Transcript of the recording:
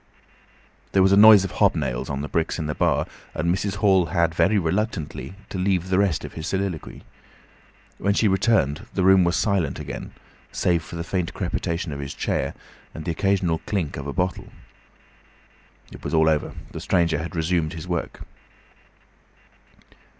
There was a noise of hobnails on the bricks in the bar, and Mrs. Hall had very reluctantly to leave the rest of his soliloquy. When she returned the room was silent again, save for the faint crepitation of his chair and the occasional clink of a bottle. It was all over; the stranger had resumed work.